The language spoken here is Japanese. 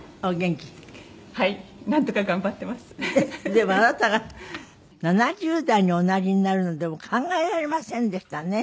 でもあなたが７０代におなりになるのでも考えられませんでしたね。